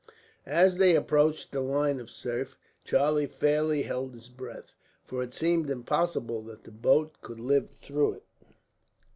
As they approached the line of surf, Charlie fairly held his breath; for it seemed impossible that the boat could live through it.